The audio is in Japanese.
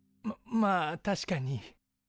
ままあ確かに。